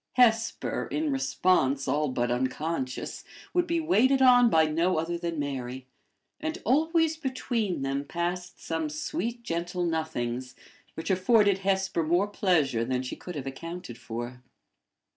Hesper, in response all but unconscious, would be waited on by no other than Mary; and always between them passed some sweet, gentle nothings, which afforded Hesper more pleasure than she could have accounted for.